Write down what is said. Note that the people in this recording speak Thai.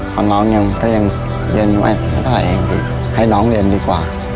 เพราะน้องเนี่ยมันยังเรียนไว้เท่าไหร่ให้น้องเรียนดีกว่า